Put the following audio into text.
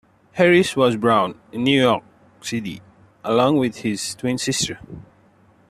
Harris was born in New York City, along with his twin sister.